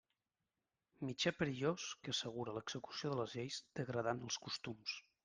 Mitjà perillós que assegura l'execució de les lleis degradant els costums.